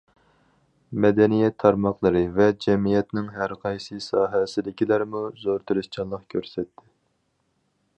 مەدەنىيەت تارماقلىرى ۋە جەمئىيەتنىڭ ھەر قايسى ساھەسىدىكىلەرمۇ زور تىرىشچانلىق كۆرسەتتى.